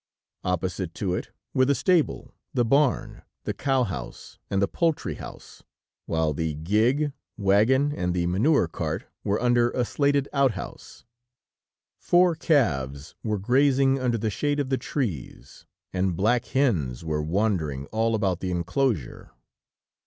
Opposite to it, were the stable, the barn, the cow house and the poultry house, while the gig, wagon and the manure cart were under a slated outhouse. Four calves were grazing under the shade of the trees, and black hens were wandering all about the enclosure.